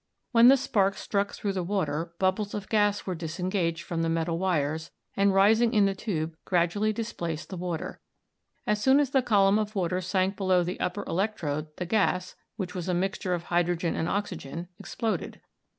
When the sparks struck through the water, bubbles of gas were disengaged from the metal wires, and, rising in the tube, gradually displaced the water. As soon as the column of water sank below the upper electrode the gas, which was a mixture of hydrogen and oxygen, exploded.